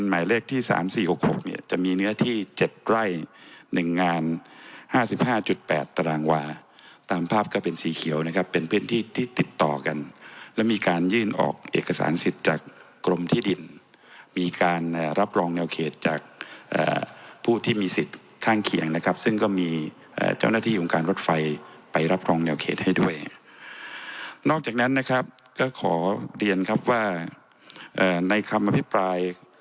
หมายเลขที่สามสี่หกหกเนี่ยจะมีเนื้อที่เจ็ดไร่หนึ่งงานห้าสิบห้าจุดแปดตารางวาตามภาพก็เป็นสีเขียวนะครับเป็นพื้นที่ที่ติดต่อกันและมีการยื่นออกเอกสารสิทธิ์จากกรมที่ดินมีการรับรองแนวเขตจากผู้ที่มีสิทธิ์ข้างเคียงนะครับซึ่งก็มีเจ้าหน้าที่ของการรถไฟไปรับรองแนวเขตให้ด้วยนอกจากนั้นนะครับก็ขอเรียนครับว่าในคำอภิปราย